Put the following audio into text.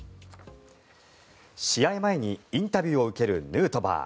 試合前にインタビューを受けるヌートバー。